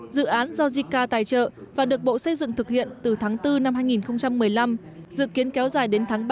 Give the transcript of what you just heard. dự án do jica tài trợ và được bộ xây dựng thực hiện từ tháng bốn năm hai nghìn một mươi năm dự kiến kéo dài đến tháng ba